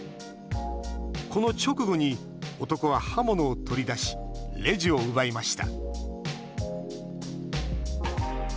この直後に男は刃物を取り出しレジを奪いました。